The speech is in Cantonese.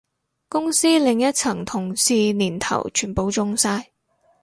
公司另一層同事年頭全部中晒